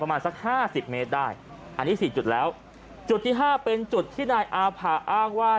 ประมาณสักห้าสิบเมตรได้อันนี้สี่จุดแล้วจุดที่ห้าเป็นจุดที่นายอาภาอ้างว่า